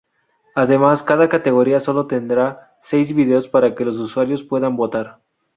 Además, cada categoría sólo tendrá seis vídeos para que los usuarios puedan votar.